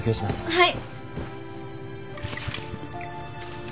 はい。